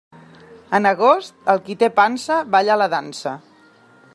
En agost, el qui té pansa, balla la dansa.